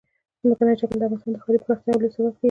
ځمکنی شکل د افغانستان د ښاري پراختیا یو لوی سبب کېږي.